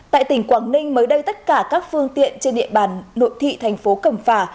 tại tỉnh quảng ninh mới đây tất cả các phương tiện trên địa bàn nội thị thành phố cẩm phả